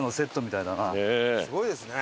すごいですね。